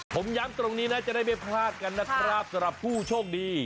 ผมย้ำตรงนี้นะจะได้ไม่พลาดกันนะครับสำหรับผู้โชคดี